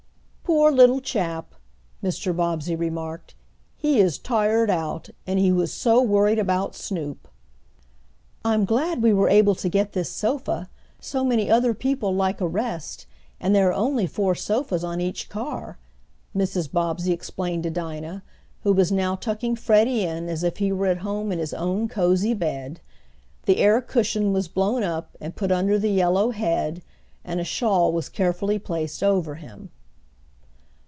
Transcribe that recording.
"Poor little chap!" Mr. Bobbsey remarked. "He is tired out, and he was so worried about Snoop!" "I'm glad we were able to get this sofa, so many other people like a rest and there are only four sofas on each car," Mrs. Bobbsey explained to Dinah, who was now tucking Freddie in as if he were at home in his own cozy bed. The air cushion was blown up, and put under the yellow head and a shawl was carefully placed over him.